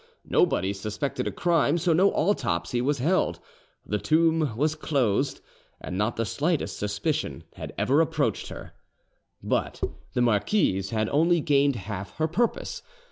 Nobody suspected a crime, so no autopsy was held; the tomb was closed, and not the slightest suspicion had approached her. But the marquise had only gained half her purpose.